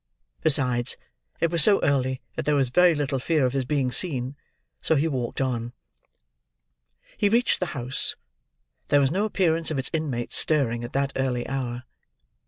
Besides, it was so early that there was very little fear of his being seen; so he walked on. He reached the house. There was no appearance of its inmates stirring at that early hour.